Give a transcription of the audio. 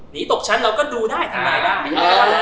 นี่ตกชั้นเราก็ดูได้ทำอะไรได้